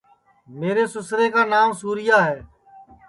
میرے سُسرے کانانٚو سُورِیا ہے